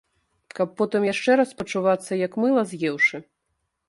Каб потым яшчэ раз пачувацца як мыла з'еўшы?